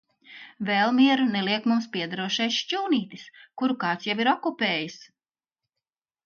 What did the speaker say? Vēl mieru neliek mums piederošais šķūnītis, kuru kāds jau ir okupējis.